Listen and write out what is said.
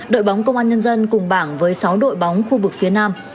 đội bóng công an nhân dân cùng bảng với sáu đội bóng khu vực phía nam